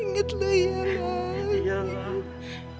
ingatlah ya mak